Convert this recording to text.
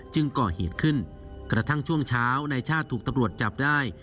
ก่อเหตุขึ้นกระทั่งช่วงเช้านายชาติถูกตำรวจจับได้